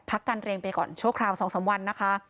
การเรียงไปก่อนชั่วคราว๒๓วันนะคะ